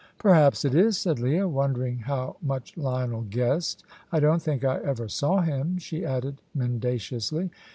"Perhaps it is," said Leah, wondering how much Lionel guessed. "I don't think I ever saw him," she added, mendaciously.